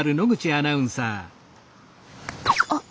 あっ。